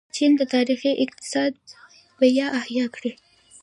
چین د تاریخي اقتصاد بیا احیا کړې.